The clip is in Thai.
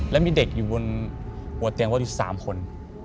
แล้วมีเด็กอยู่บนหัวเตียงรถอยู่๓คน